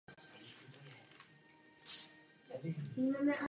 Podílel se však i na pracích z oblasti astrofyziky a částicové fyziky.